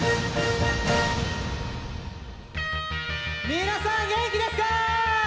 皆さん元気ですか！